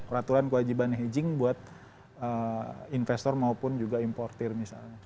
ratulan kewajiban hedging buat investor maupun juga importer misalnya